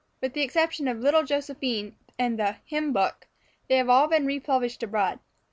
With the exception of "Little Josephine" and the "Hymn Book," they have all been republished abroad.